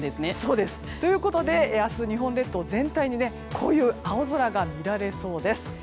そうです。ということで明日、日本列島全体にこういう青空が見られそうです。